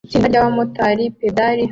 Itsinda ryabamotari pedal hamwe